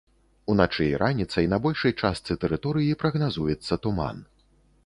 Уначы і раніцай на большай частцы тэрыторыі прагназуецца туман.